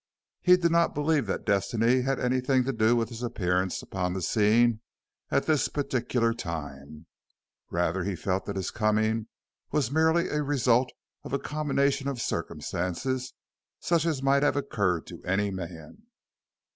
He did not believe that Destiny had anything to do with his appearance upon the scene at this particular time; rather he felt that his coming was merely a result of a combination of circumstances such as might have occurred to any man.